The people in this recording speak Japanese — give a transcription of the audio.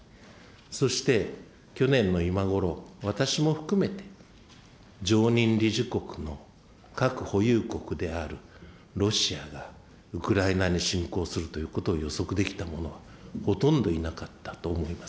そして去年の今頃、私も含めて常任理事国の核保有国であるロシアが、ウクライナに侵攻するということを予測できた者はほとんどいなかったと思います。